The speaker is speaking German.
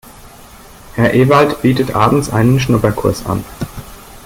Herr Ewald bietet abends einen Schnupperkurs an.